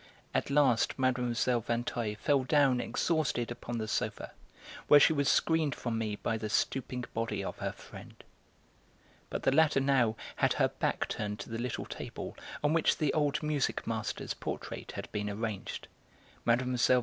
At last Mlle. Vinteuil fell down exhausted upon the sofa, where she was screened from me by the stooping body of her friend. But the latter now had her back turned to the little table on which the old music master's portrait had been arranged. Mlle.